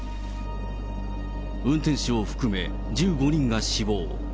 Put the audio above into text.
運転手を含め、１５人が死亡。